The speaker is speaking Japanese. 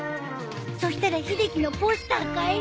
そしたら秀樹のポスター買えるよ。